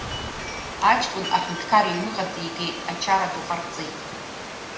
Аҷкәын аҳәынҭқар иҩныҟа дигеит, ачара ду ҟарҵеит.